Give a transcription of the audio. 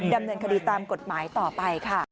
ดำเนินคดีตามกฎหมายต่อไปค่ะ